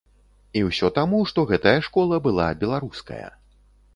І ўсё таму, што гэтая школа была беларуская.